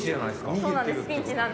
そうなんですピンチなんです。